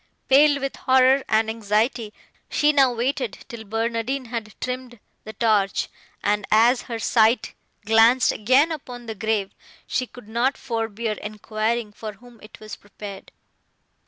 Pale with horror and anxiety, she now waited till Barnardine had trimmed the torch, and, as her sight glanced again upon the grave, she could not forbear enquiring, for whom it was prepared.